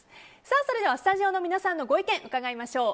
それではスタジオの皆さんのご意見、伺いましょう。